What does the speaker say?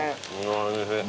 おいしい。